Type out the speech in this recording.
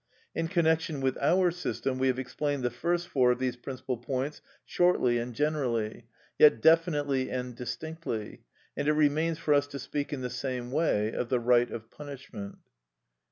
In connection with our system, we have explained the first four of these principal points shortly and generally, yet definitely and distinctly, and it remains for us to speak in the same way of the right of punishment.